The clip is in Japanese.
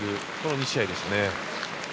２試合でした。